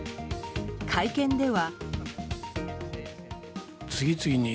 会見では。